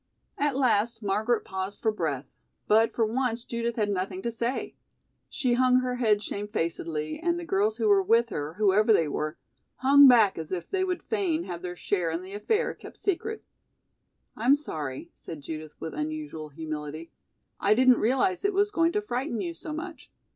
At last Margaret paused for breath, but for once Judith had nothing to say. She hung her head shamefacedly and the girls who were with her, whoever they were, hung back as if they would feign have their share in the affair kept secret. "I'm sorry," said Judith with unusual humility. "I didn't realize it was going to frighten you so much.